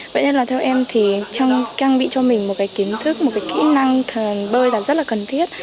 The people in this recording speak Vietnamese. vậy nên là theo em thì trang bị cho mình một cái kiến thức một cái kỹ năng bơi là rất là cần thiết